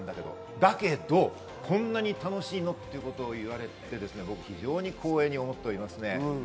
だけどこんなに楽しいの？っていうことを言われて、僕、非常に光栄に思っております。